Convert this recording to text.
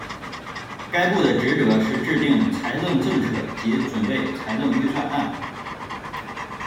该部的职责是制定财政政策及准备财政预算案。